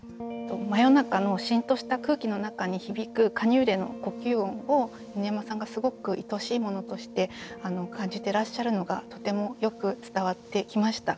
真夜中のシンとした空気の中に響くカニューレの呼吸音を犬山さんがすごくいとしいものとして感じてらっしゃるのがとてもよく伝わってきました。